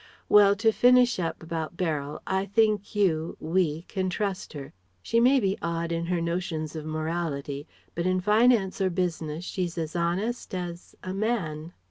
Well: to finish up about Beryl: I think you we can trust her. She may be odd in her notions of morality, but in finance or business she's as honest as a man."